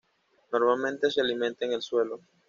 Normalmente se alimenta en el suelo.